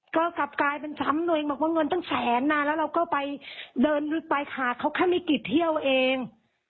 ก็กลับกลายเป็นซ้ำตัวเองบอกว่าเงินตั้งแสนนานแล้วเราก็ไปเดินไปหาเขาแค่ไม่กี่เที่ยวเอง